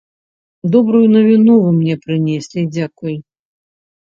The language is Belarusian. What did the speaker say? Добрую навіну вы мне прынеслі, дзякуй!